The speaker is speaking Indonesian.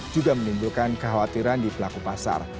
juga menimbulkan kekhawatiran di pelaku pasar